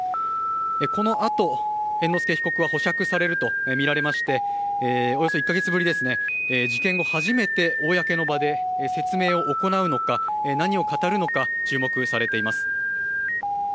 このあと、猿之助被告は保釈されるとみられましておよそ１か月ぶり、事件後初めて公の場で説明を行うのか、何を語るのか注目されています。